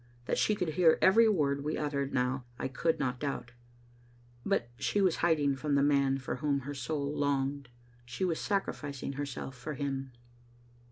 That she could hear every word we uttered now, I could not doubt. But she was hiding from the man for whona her soul longed, She was sacrificing herself for him.